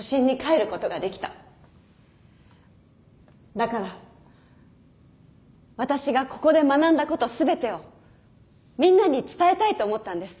だから私がここで学んだこと全てをみんなに伝えたいと思ったんです。